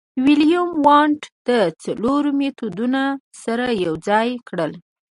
ویلهیلم وونت دا څلور مېتودونه سره یوځای کړل